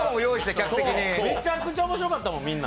めちゃくちゃ面白かったもん、みんな。